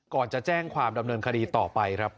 ก่อนจะแจ้งความดำเนินคดีต่อไปครับ